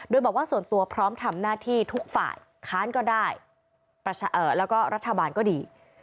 โดยบอกว่าส่วนตัวพร้อมทำหน้าที่ทุกฝ่ายค้านก็ได้แล้วก็รัฐบาลก็ดี